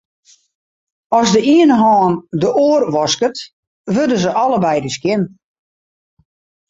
As de iene hân de oar wasket, wurde se allebeide skjin.